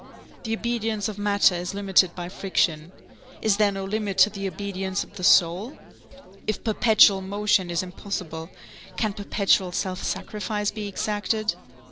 The obedience of matter is limited by friction; is there no limit to the obedience of the soul? If perpetual motion is impossible, can perpetual self sacrifice be exacted?